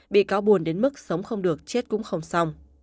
bị cáo buồn đến mức sống không được chết cũng không xong